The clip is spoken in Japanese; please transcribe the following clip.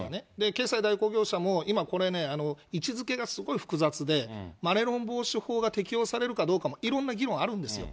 決済代行業者も、今、これね、位置づけがすごい複雑で、マネロン防止法が適用されるかどうかも、いろんな議論あるんですよ。